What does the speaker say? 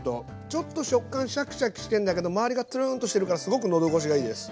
ちょっと食感シャキシャキしてんだけど周りがツルンとしてるからすごくのどごしがいいです。